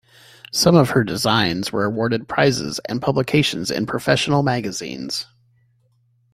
Some of her designs were awarded prizes and publications in professional magazines.